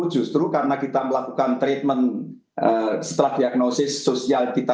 justru karena kita melakukan treatment setelah diagnosis sosial kita